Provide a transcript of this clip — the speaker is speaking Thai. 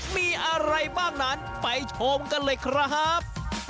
มีอะไรบ้างนั้นไปชมกันเลยครับ